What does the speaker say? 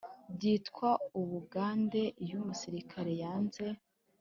Byitwa ubugande iyo umusirikare yanze